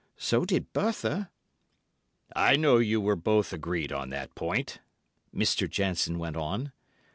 So did Bertha." "I know you were both agreed on that point," Mr. Jansen went on.